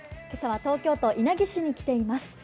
今朝は東京都稲城市に来ています。